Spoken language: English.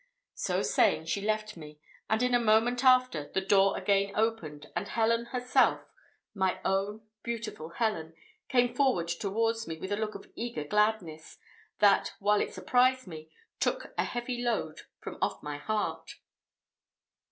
So saying, she left me, and in a moment after the door again opened, and Helen herself, my own beautiful Helen, came forward towards me, with a look of eager gladness, that, while it surprised me, took a heavy load from off my heart.